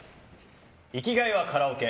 生きがいはカラオケ。